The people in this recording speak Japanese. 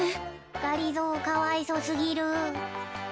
がりぞーかわいそすぎる。